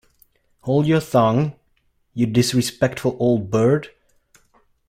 Hold your tongue, you disrespectful old bird!